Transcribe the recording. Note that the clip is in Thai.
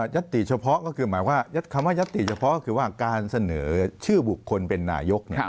ติเฉพาะก็คือหมายความว่าคำว่ายัตติเฉพาะก็คือว่าการเสนอชื่อบุคคลเป็นนายก